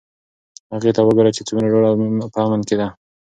هغې ته وگوره چې څومره ډاډه او په امن کې ده.